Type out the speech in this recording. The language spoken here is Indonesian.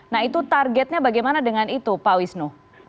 nah itu targetnya bagaimana dengan itu pak wisnu